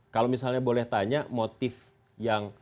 kalau misalnya boleh tanya motif yang